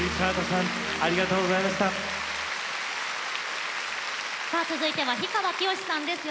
さあ続いては氷川きよしさんです。